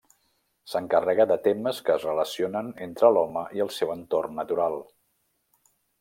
S'encarrega de temes que es relacionen entre l'home i el seu entorn natural.